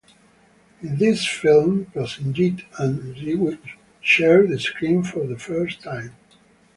In this film Prosenjit and Ritwik shared the screen for the first time.